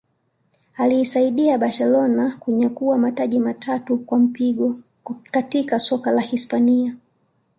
aliisaidia Barcelona kunyakua mataji matatu kwa mpigo katika soka la Hispania